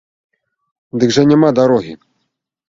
Дык жа няма дарогі.